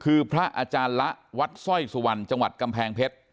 คือพระอาจารย์ละวัดสร้อยสุวรรณจังหวัดกำแพงเพชร